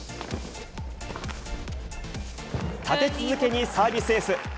立て続けにサービスエース。